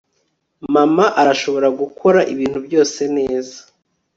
mama arashobora gukora ibintu byose neza